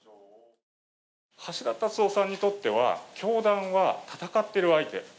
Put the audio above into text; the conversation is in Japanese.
橋田達夫さんにとっては教団は戦っている相手。